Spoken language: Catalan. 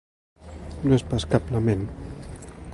No és pas cap lament.